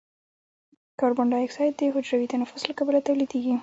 کاربن ډای اکساید د حجروي تنفس له کبله تولیدیږي.